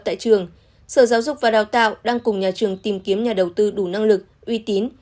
tại trường sở giáo dục và đào tạo đang cùng nhà trường tìm kiếm nhà đầu tư đủ năng lực uy tín